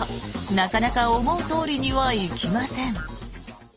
なかなか思うとおりにはいきません。